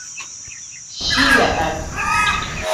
Şîr e ev?